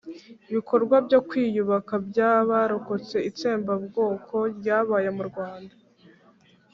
bikorwa byo kwiyubaka by'abarokotse itsembabwoko ryabaye mu Rwanda.